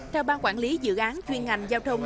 theo ban quản lý dự án chuyên ngành giao thông